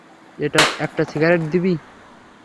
একটা সিগারেট দিবি?